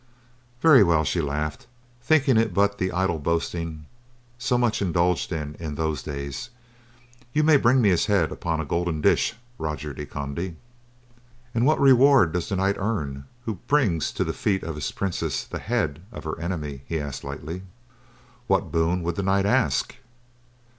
"Very well," she laughed, thinking it but the idle boasting so much indulged in in those days. "You may bring me his head upon a golden dish, Roger de Conde." "And what reward does the knight earn who brings to the feet of his princess the head of her enemy?" he asked lightly. "What boon would the knight ask?"